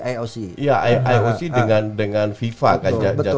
iya ioc dengan fifa kan jadwal